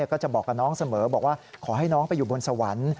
ก็จะบอกกับน้องเสมอบอกว่าขอให้น้องไปอยู่บนสวรรค์